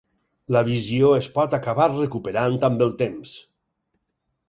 La visió es pot acabar recuperant amb el temps.